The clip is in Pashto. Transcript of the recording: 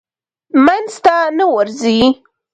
منځ ته نه ورځي.